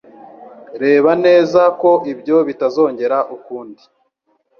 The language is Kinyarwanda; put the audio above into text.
Reba neza ko ibyo bitazongera ukundi.